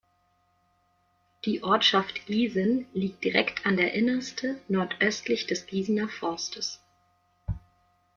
Die Ortschaft Giesen liegt direkt an der Innerste nordöstlich des Giesener Forstes.